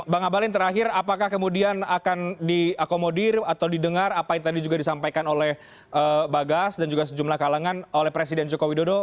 bang abalin terakhir apakah kemudian akan diakomodir atau didengar apa yang tadi juga disampaikan oleh bagas dan juga sejumlah kalangan oleh presiden joko widodo